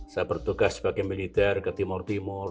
saya bertugas sebagai militer ke timur timur